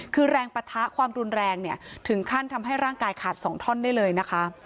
คือแรงปะทะความรุนแรงเนี่ยถึงขั้นทำให้ร่างกายขาดสองท่อนได้เลยนะคะ